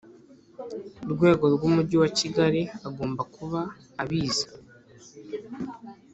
rwego rw Umujyi wa Kigali agomba kuba abizi